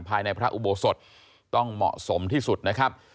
ภายในพระอุโบสถต้องเหมาะสมที่สุดนะครับ